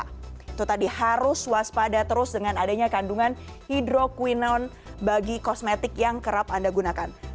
itu tadi harus waspada terus dengan adanya kandungan hidroquinon bagi kosmetik yang kerap anda gunakan